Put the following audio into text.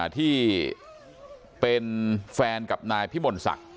ที่เป็นแฟนกับนายพิมลศักดิ